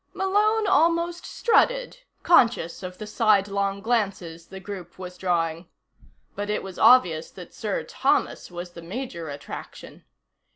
Malone almost strutted, conscious of the sidelong glances the group was drawing. But it was obvious that Sir Thomas was the major attraction.